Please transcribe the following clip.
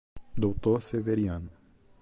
Doutor Severiano